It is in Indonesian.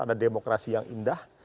ada demokrasi yang indah